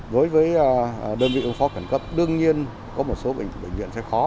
đối với đơn vị ứng phó khẩn cấp đương nhiên có một số bệnh viện sẽ khó